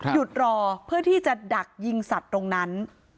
หยุดรอเพื่อที่จะดักยิงสัตว์ตรงนั้น